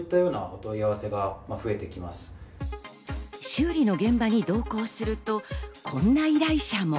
修理の現場に同行すると、こんな依頼者も。